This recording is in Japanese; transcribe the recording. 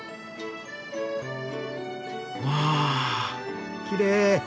わきれい！